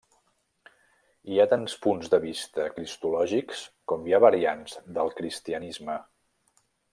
Hi ha tants punts de vista cristològics com hi ha variants del cristianisme.